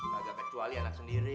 kagak kecuali anak sendiri